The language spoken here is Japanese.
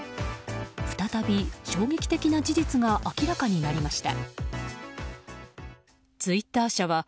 再び衝撃的な事実が明らかになりました。